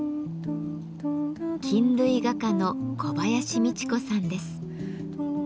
菌類画家の小林路子さんです。